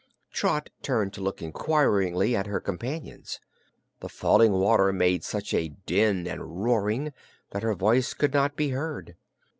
Trot turned to look inquiringly at her companions. The falling water made such din and roaring that her voice could not be heard.